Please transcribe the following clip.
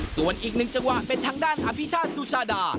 ส่วนอีก๑จังหวะเป็นทางด้านอภิชาซูชาดา